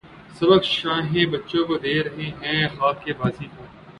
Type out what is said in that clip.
سبق شاہیں بچوں کو دے رہے ہیں خاک بازی کا